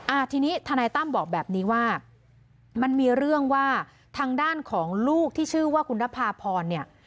อ่าทีนี้ทนายตั้มบอกแบบนี้ว่ามันมีเรื่องว่าทางด้านของลูกที่ชื่อว่าคุณนภาพรเนี่ย